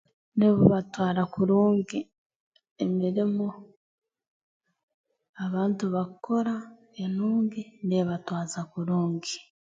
Nibatwara kurungi emirimo abantu bakukora enungi neebatwaza kurungi